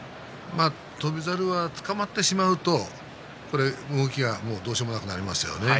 翔猿はつかまってしまうと動きがどうしようもなくなりますよね。